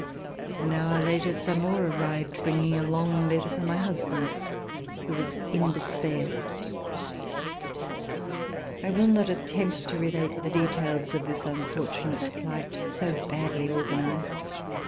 An hour later Zamore arrived bringing a long letter from my husband, who was in despair. I will not attempt to relate the details of this un fortunate flight, so badly organized.